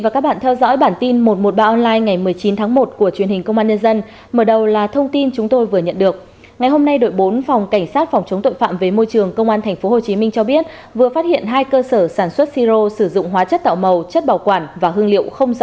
cảm ơn các bạn đã theo dõi